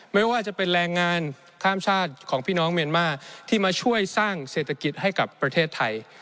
ไม่ว่าจะเป็นแรงงานข้ามชาติของพี่น้องเมียนมาร์ที่มาช่วยสร้างเศรษฐกิจให้กับประเทศไทย